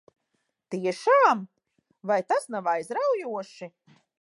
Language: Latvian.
Tiešām? Vai tas nav aizraujoši?